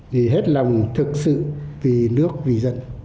vì hết lòng thực sự vì nước vì dân